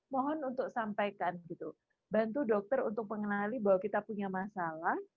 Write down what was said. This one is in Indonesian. mohon untuk sampaikan gitu bantu dokter untuk mengenali bahwa kita punya masalah